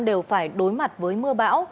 đều phải đối mặt với mưa bão